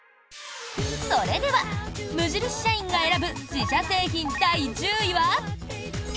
それでは無印社員が選ぶ自社製品第１０位は。